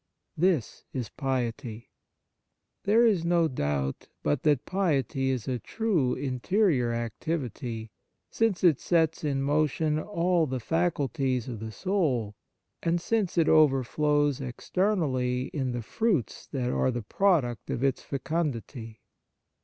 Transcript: This is piety. There is no doubt but that piety is a true interior activity, since it sets in motion all the faculties of the soul, and since it overflows externally in the fruits that are the product of its fecundity.